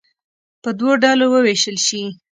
په دوو ډلو ووېشل شي.